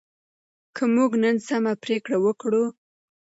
که موږ نن سمه پریکړه وکړو.